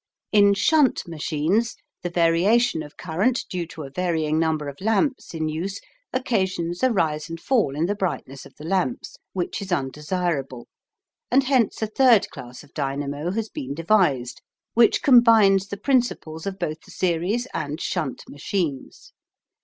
In shunt machines the variation of current due to a varying number of lamps in use occasions a rise and fall in the brightness of the lamps which is undesirable, and hence a third class of dynamo has been devised, which combines the principles of both the series and shunt machines.